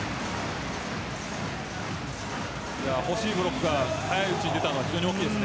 欲しいブロックが早いうちに出たので非常に大きいです。